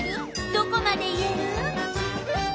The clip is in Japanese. どこまで言える？